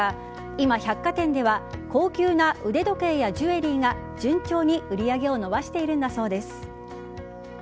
今、百貨店では高級な腕時計やジュエリーが順調に売り上げを伸ばしているんだそうです。